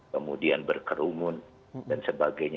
kemudian berkerumun dan sebagainya